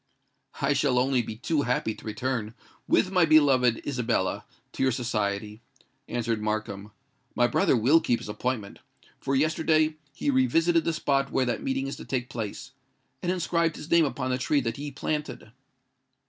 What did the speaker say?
"I shall only be too happy to return, with my beloved Isabella, to your society," answered Markham. "My brother will keep his appointment; for yesterday he revisited the spot where that meeting is to take place, and inscribed his name upon the tree that he planted."